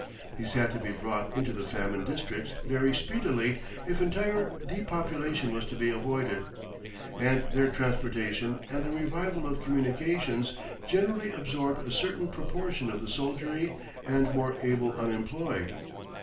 These had to be brought into the famine districts very speedily if entire depopulation was to be avoided, and their transportation and the revival of communications generally absorbed a certain proportion of the soldiery and more able unemployed.